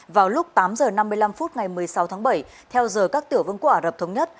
vào lúc tám h năm mươi năm phút ngày một mươi sáu tháng bảy theo giờ các tiểu vương quả rập thống nhất